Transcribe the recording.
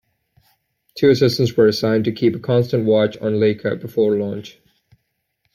Two assistants were assigned to keep a constant watch on Laika before launch.